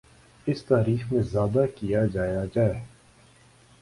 اس تاریخ میں زیادہ کیا جایا جائے۔